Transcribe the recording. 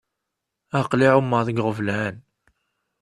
Aql-i εummeɣ deg iɣeblan.